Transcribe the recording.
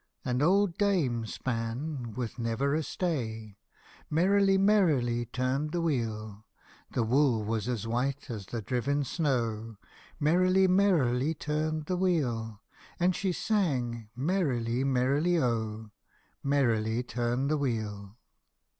An old dame span, with never a stay, Merrily, merrily turned the wheel ! The wool was as white as the driven snow, Merrily, merrily turned the wheel ! And she sang, " Merrily, merrily, oh ! Merrily turn the wheel